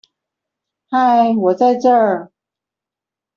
嗨我在這